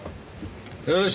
よし！